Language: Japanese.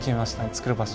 つくる場所。